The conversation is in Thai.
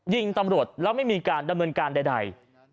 ยิงตำรวจแล้วไม่มีการดำเนินการใด